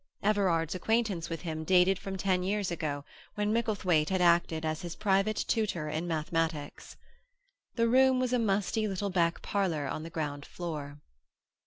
Everard's acquaintance with him dated from ten years ago, when Micklethwaite had acted as his private tutor in mathematics. The room was a musty little back parlour on the ground floor.